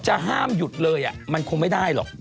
ห้ามหยุดเลยมันคงไม่ได้หรอก